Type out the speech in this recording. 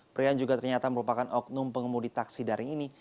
pria juga ternyata merupakan oknum pengemudi taksi daring ini